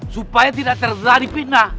supaya tidak terjadi pindah